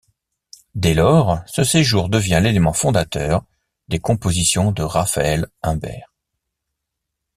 Dès lors, ce séjour devient l'élément fondateur des compositions de Raphaël Imbert.